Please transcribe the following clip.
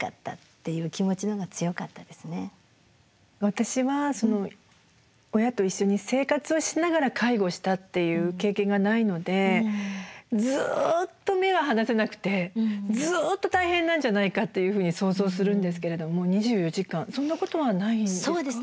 私は親と一緒に生活をしながら介護をしたっていう経験がないのでずっと目は離せなくてずっと大変なんじゃないかというふうに想像するんですけれども２４時間そんなことはないんですか？